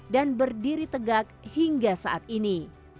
dan berdiri tegak hingga saat ini